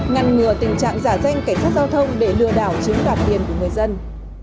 ngăn ngừa tình trạng giả danh cảnh sát giao thông để lừa đảo chiếm đoạt tiền của người dân